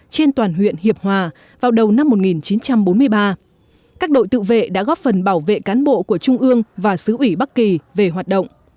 trên toàn huyện hiệp hòa vào đầu năm một nghìn chín trăm bốn mươi ba các đội tự vệ đã góp phần bảo vệ cán bộ của trung ương và xứ ủy bắc kỳ về hoạt động